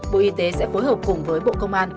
bộ y tế sẽ phối hợp cùng với bộ công an